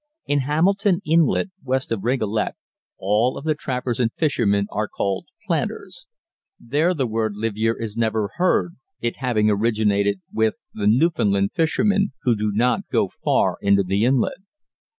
In Hamilton Inlet, west of Rigolet, all of the trappers and fishermen are called planters. There the word livyere is never heard, it having originated with with the Newfoundland fishermen, who do not go far into the inlet.